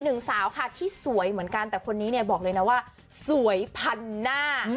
หนึ่งสาวค่ะที่สวยเหมือนกันแต่คนนี้เนี่ยบอกเลยนะว่าสวยพันหน้า